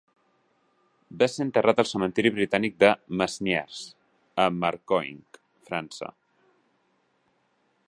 Va ser enterrat al Cementiri Britànic de Masnieres a Marcoing, França.